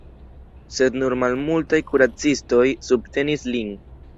Sed nur malmultaj kuracistoj subtenis lin.